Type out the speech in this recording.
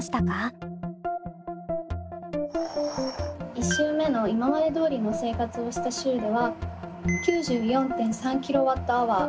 １週目の今までどおりの生活をした週では９４．３ｋＷｈ。